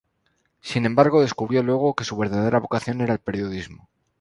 Sin embargo, descubrió luego que su verdadera vocación era el periodismo.